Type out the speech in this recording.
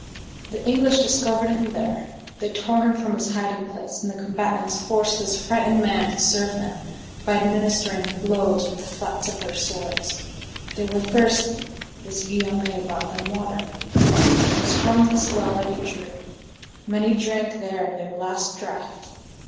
The English discovered him there. They tore him from his hiding place, and the combatants forced this frightened man to serve them, by administering blows with the flats of their swords. They were thirsty; this Guillaume brought them water. It was from this well that he drew it. Many drank there their last draught.